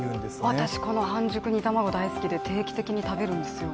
私、この半熟煮たまご大好きで定期的に食べるんですよ。